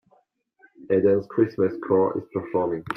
Eden 's Christmas Choir is performing.